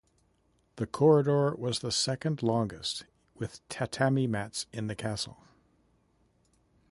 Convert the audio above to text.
The corridor was the second longest with tatami mats in the castle.